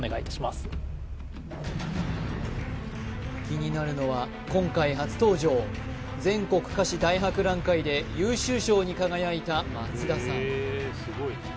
気になるのは今回初登場全国菓子大博覧会で優秀賞に輝いた松田さん